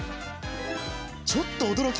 ちょっと驚き。